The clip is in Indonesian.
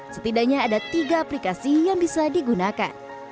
setidaknya ada tiga aplikasi yang bisa digunakan